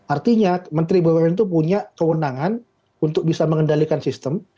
artinya menteri bumn itu punya kewenangan untuk bisa mengendalikan sistem